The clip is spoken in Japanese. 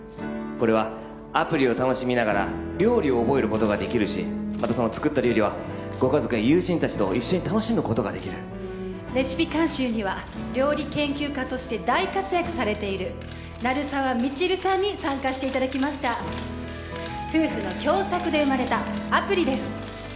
これはアプリを楽しみながら料理を覚えることができるしまたその作った料理はご家族や友人達と一緒に楽しむことができるレシピ監修には料理研究家として大活躍されている鳴沢未知留さんに参加していただきました夫婦の共作で生まれたアプリです